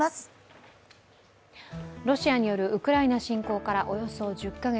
ロシアによるウクライナ侵攻からおよそ１０か月。